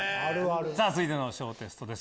続いての小テストです